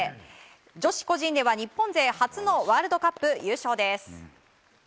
女子個人では日本勢初のワールドカップ優勝です！